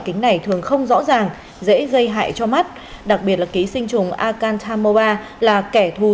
kính này thường không rõ ràng dễ gây hại cho mắt đặc biệt là ký sinh trùng akanta mobi là kẻ thù